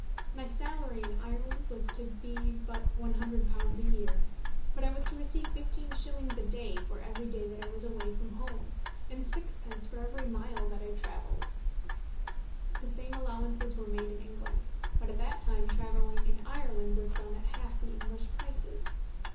My salary in Ireland was to be but £100 a year; but I was to receive fifteen shillings a day for every day that I was away from home, and sixpence for every mile that I travelled. The same allowances were made in England; but at that time travelling in Ireland was done at half the English prices.